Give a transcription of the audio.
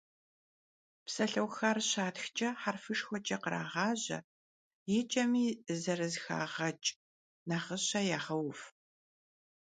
Psalheuxar şatxç'e herfışşxueç'e khrağaje, yi ç'emi zerızexağeç' nağışe yağeuv.